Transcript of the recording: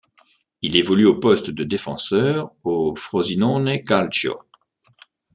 Il évolue au poste de défenseur au Frosinone Calcio.